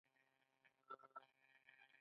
آیا ایران له افغانستان سره ډیر تجارت نلري؟